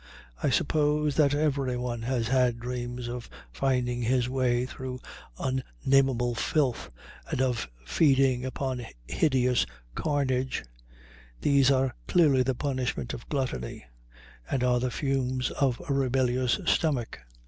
I suppose that everyone has had dreams of finding his way through unnamable filth and of feeding upon hideous carnage; these are clearly the punishment of gluttony, and are the fumes of a rebellious stomach.